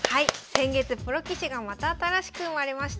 先月プロ棋士がまた新しく生まれました。